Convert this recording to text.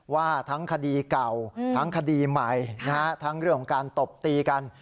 ว่าทั้งคดีเก่าทั้งคดีใหม่ทั้งเรื่องของการตบตีกัน